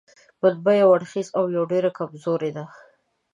منبع یو اړخیزه او ډېره کمزورې ده.